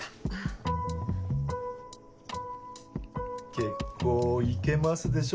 結構イケますでしょ